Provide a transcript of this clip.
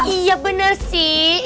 iya bener sih